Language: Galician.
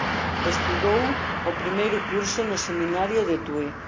Estudou o primeiro curso no Seminario de Tui.